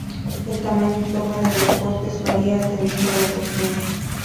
El tamaño y forma de los cortes varía atendiendo a la región.